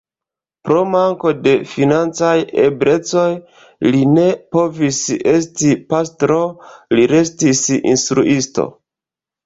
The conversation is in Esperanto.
Pro manko de financaj eblecoj li ne povis esti pastro, li restis instruisto.